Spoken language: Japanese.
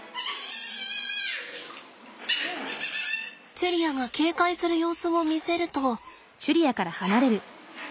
チェリアが警戒する様子を見せると。